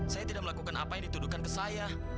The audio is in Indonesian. saya tidak melakukan apa yang dituduhkan ke saya